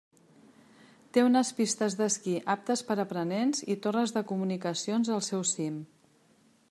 Té unes pistes d'esquí aptes per a aprenents i torres de comunicacions al seu cim.